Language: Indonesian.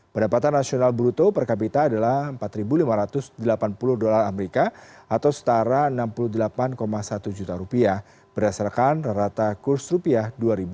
pendapatan nasional bruto per kapita adalah empat lima ratus delapan puluh dolar amerika atau setara enam puluh delapan satu juta rupiah berdasarkan rata kurs rupiah dua ribu dua puluh